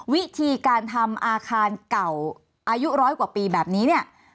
วิธีการทำอาคารเก่าอายุร้อยกว่าปีแบบนี้เนี่ย